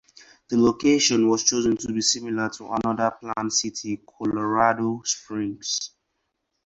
The location was chosen to be similar to another planned city, Colorado Springs.